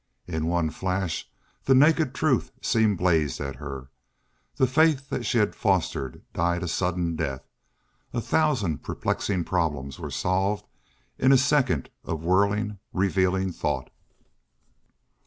In one flash the naked truth seemed blazed at her. The faith she had fostered died a sudden death. A thousand perplexing problems were solved in a second of whirling, revealing thought.